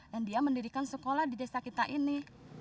dan dia mendirikan sekolah di desa kita ini